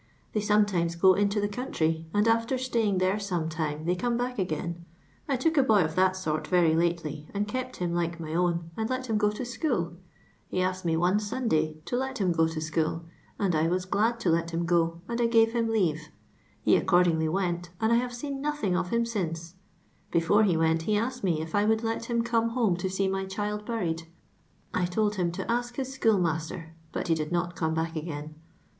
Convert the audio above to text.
They sometimes go into the coutitry, and after staying there some lime, t ' oy come back again; I took a bn of tliat *■«'' very lately and kept him like njy own, and lo: him go t>) schnnl ; he a."»ked me one :f unday to lot him go to school, and I was glad to let him i!\ and I gave him leave ; he accordingly went, and I have seen nothing of him since; before he wtrct I he asked me if I would let him come honte to see . my child buried; I told him to ask his ^ohoo' ' master, but he did not come back again.